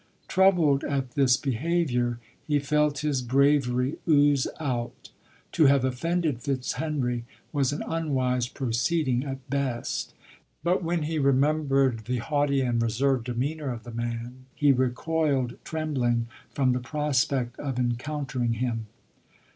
Troubled at this behaviour, he felt his bravery ooze out. To have offended Fitzhenry, was an unwise proceeding, at best ; but when he remembered the haughty and re served demeanour of the man, he recoiled, trem bling, from the prospect of encountering him.